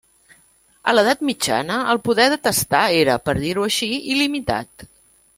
A l'edat mitjana, el poder de testar era, per dir-ho així, il·limitat.